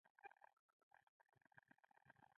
ناروغۍ به ښکته کېدې او روغتون ته به ننوتلې.